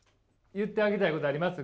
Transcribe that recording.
言ってあげたいことあります？